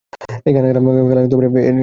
এই গান পালা গান এরই একটি অঙ্গ।